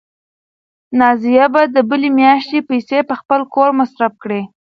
نازیه به د بلې میاشتې پیسې په خپل کور مصرف کړي.